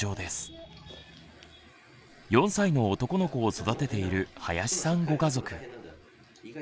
４歳の男の子を育てている林さんご家族。